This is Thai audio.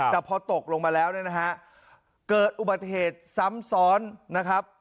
แต่พอตกลงมาแล้วเนี่ยนะฮะเกิดอุบัติเหตุซ้ำซ้อนนะครับ